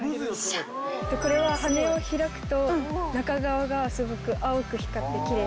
これは羽を開くと中側がすごく青く光ってキレイ。